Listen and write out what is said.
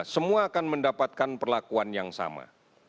semua akan mendapatkan perlakuan yang sama